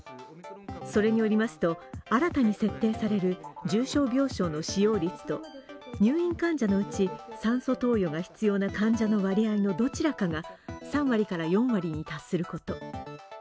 それによりますと、新たに設定される重症病床の使用率と入院患者のうち、酸素投与が必要な患者の割合のどちらかが３割から４割に達すること。